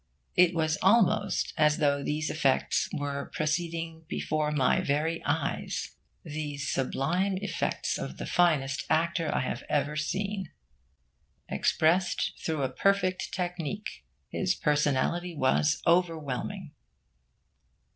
It was almost as though these effects were proceeding before my very eyes these sublime effects of the finest actor I have ever seen. Expressed through a perfect technique, his personality was overwhelming.